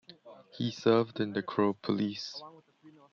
He served in the Crow Police.